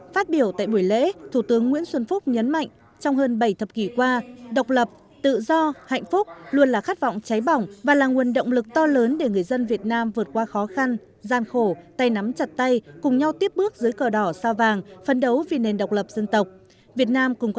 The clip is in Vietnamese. phát biểu tại buổi lễ thủ tướng nguyễn xuân phúc nhấn mạnh trong hơn bảy thập kỷ qua độc lập tự do hạnh phúc luôn là khát vọng cháy bỏng và là nguồn động lực to lớn để người dân việt nam vượt qua khó khăn gian khổ tay nắm chặt tay cùng nhau tiếp bước dưới cờ đỏ sao vàng phấn đấu vì nền độc lập dân tộc